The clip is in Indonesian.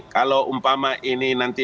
kalau umpama ini nanti